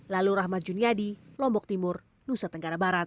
lalu rahmat juniadi lombok timur nusa tenggara barat